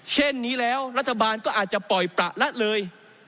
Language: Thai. เช่นนี้แล้วรัฐบาลก็อาจจะปล่อยประละเลย